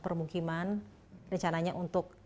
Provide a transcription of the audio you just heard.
umkm rencananya untuk